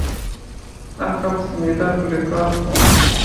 آپ کا پسندیدہ گلوکار کون ہے؟